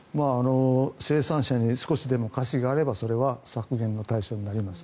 生産者に少しでも瑕疵があればそれは削減の対象になります。